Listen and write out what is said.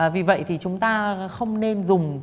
vì vậy chúng ta không nên dùng